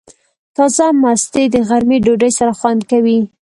تازه مستې د غرمې ډوډۍ سره خوند کوي.